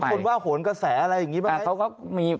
มีคนว่าขนกระแสอะไรอย่างนี้บ้างไหม